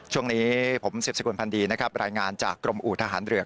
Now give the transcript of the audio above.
ช่วงนี้ผมสืบสกุลพันธ์ดีนะครับรายงานจากกรมอู่ทหารเรือ